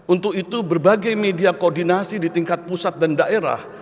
untuk itu berbagai media koordinasi di tingkat pusat dan daerah